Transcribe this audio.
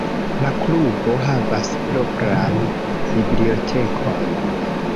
La klubo havas propran bibliotekon.